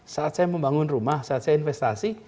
saat saya membangun rumah saat saya investasi